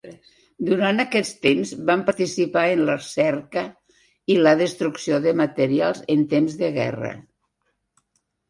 Durant aquest temps van participar en la cerca i la destrucció de materials en temps de guerra.